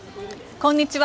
こんにちは。